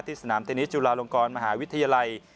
สนามเทนนิสจุฬาลงกรมหาวิทยาลัย